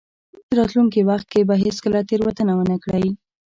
راتلونکي وخت کې به هېڅکله تېروتنه ونه کړئ.